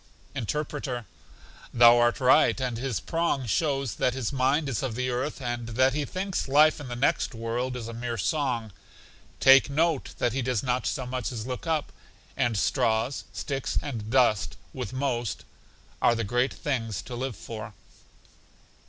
Interpreter: Thou art right, and his prong shows that his mind is of the earth, and that he thinks life in the next world is a mere song; take note that he does not so much as look up; and straws, sticks, and dust, with most, are the great things to live for.